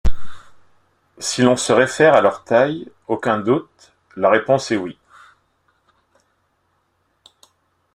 Si l'on se réfère à leur taille, aucun doute, la réponse est oui.